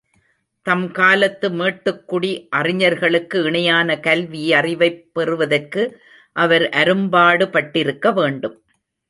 தம் காலத்து மேட்டுக்குடி அறிஞர்களுக்கு இணையான கல்வியறிவைப் பெறுவதற்கு அவர் அரும்பாடுபட்டிருக்க வேண்டும்.